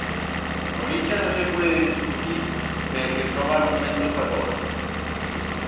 Con ixa no se puede descutir perque troba argumentos pa tot.